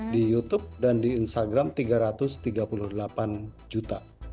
di youtube dan di instagram tiga ratus tiga puluh delapan juta